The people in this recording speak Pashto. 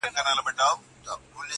پاگل لگیا دی نن و ټول محل ته رنگ ورکوي,